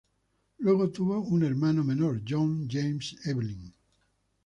Luego tuvo un hermano menor, John James Evelyn.